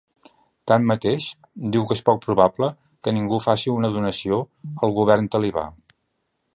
Tanmateix, diu que és poc probable que ningú faci una donació al govern talibà.